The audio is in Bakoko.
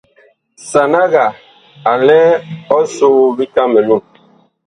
Sanaga a lɛ ɔsoo vi Kamelun.